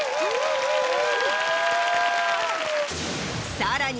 さらに。